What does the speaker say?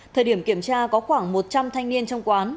thời điểm kiểm tra có khoảng một trăm linh thanh niên trong quán